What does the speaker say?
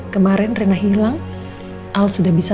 kemarin rina hilang al sudah bisa